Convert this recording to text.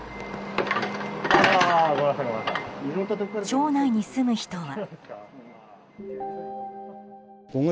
町内に住む人は。